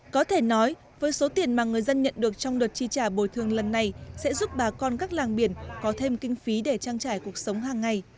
có thể nói với số tiền mà người dân nhận được trong đợt chi trả bồi thường lần này sẽ giúp bà con các làng biển có thêm kinh phí để trang trải cuộc sống hàng ngày